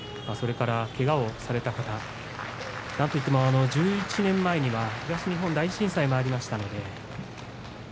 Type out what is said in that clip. それからけがをされた方なんといっても１１年前には東日本大震災もありました。